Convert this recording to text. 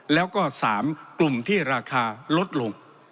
แล้วก็๓กลุ่มที่ราคาลดลง